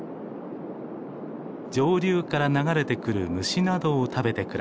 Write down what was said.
上流から流れてくる虫などを食べて暮らしています。